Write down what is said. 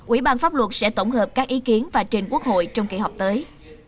ủy ban pháp luật sẽ tổng hợp các ý kiến và trình quốc hội trong kỳ họp tới